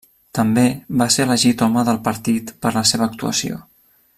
També va ser elegit home del partit per la seva actuació.